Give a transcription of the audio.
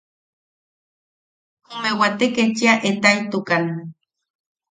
Jume wate kechia etaʼitukan.